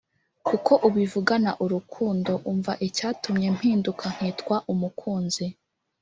kuko ubivugana urukundo Umva icyatumye mpinduka nkitwa umukunzi